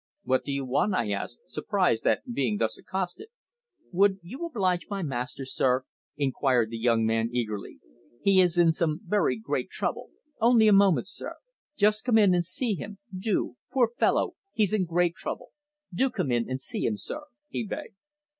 "What do you want?" I asked, surprised at being thus accosted. "Would you oblige my master, sir?" inquired the young man eagerly. "He is in some very great trouble. Only a moment, sir. Just come in and see him. Do. Poor fellow! he's in great trouble. Do come in and see him, sir," he begged.